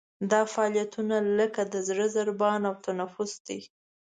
دا فعالیتونه لکه د زړه ضربان او تنفس دي.